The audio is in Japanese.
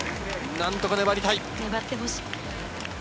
何とか粘りたい。